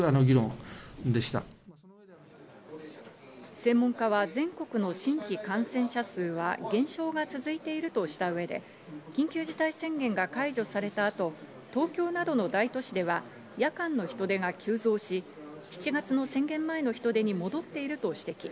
専門家は全国の新規感染者数は減少が続いているとした上で、緊急事態宣言が解除された後、東京などの大都市では夜間の人出が急増し、７月の宣言前の人出に戻っていると指摘。